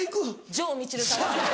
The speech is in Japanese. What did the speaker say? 城みちるさん。